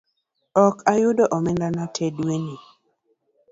Ok ayudo omendana te dweni